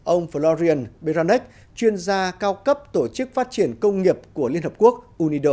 ông florian beranec chuyên gia cao cấp tổ chức phát triển công nghiệp của liên hợp quốc unido